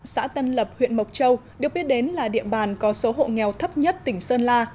xã tân lập huyện mộc châu được biết đến là địa bàn có số hộ nghèo thấp nhất tỉnh sơn la